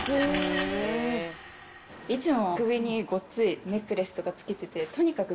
いつも。